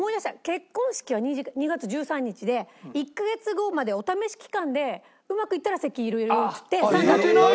結婚式が２月１３日で１カ月後までお試し期間でうまくいったら籍入れるよっつって。